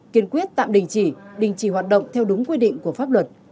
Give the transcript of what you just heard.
kiên quyết tạm đình chỉ đình chỉ hoạt động theo đúng quy định của pháp luật